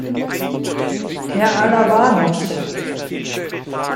Herr Alavanos!